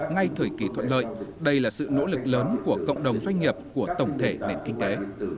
ngay thời kỳ thuận lợi đây là sự nỗ lực lớn của cộng đồng doanh nghiệp của tổng thể nền kinh tế